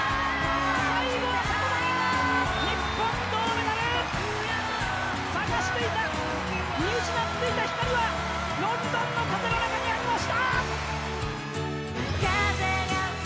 日本銅メダル！探していた見失っていた光はロンドンの風の中にありました！